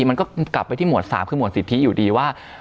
มันก็กลับไปที่หมวด๓คือหวดสิทธิอยู่ดีว่า